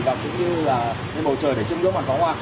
và cũng như là lên bầu trời để chứng nhận bắn phó hoa